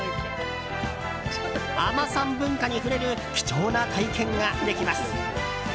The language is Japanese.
海女さん文化に触れる貴重な体験ができます。